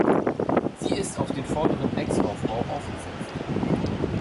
Sie ist auf den vorderen Decksaufbau aufgesetzt.